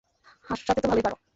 হাসাতে তো ভালোই পারো।